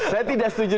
saya tidak setuju